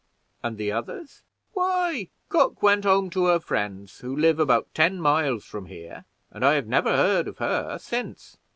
"And the others?" "Why, cook went home to her friends, who live about ten miles from here, and I have never heard of her since."